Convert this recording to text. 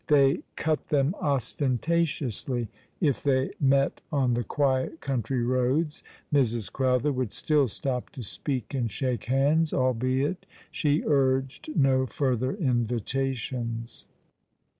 They cut them ostentatiously if they met on the quiet country roads. Mrs. Crowther would still stop to speak and shake hands, albeit she urged no further invitations.